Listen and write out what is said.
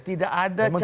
tidak ada kompetitor